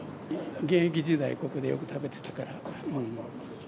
現役時代、ここでよく食べてたから。